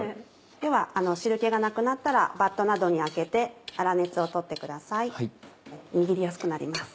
では汁気がなくなったらバットなどにあけて粗熱を取ってください握りやすくなります。